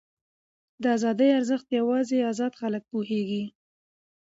د ازادۍ ارزښت یوازې ازاد خلک پوهېږي.